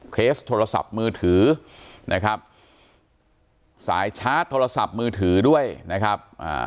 โทรศัพท์มือถือนะครับสายชาร์จโทรศัพท์มือถือด้วยนะครับอ่า